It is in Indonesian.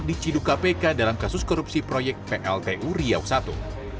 diciduk kpk dalam kasus korupsi proyek pltu riau i